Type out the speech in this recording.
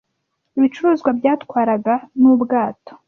Ibicuruzwa byatwarwaga nubwato.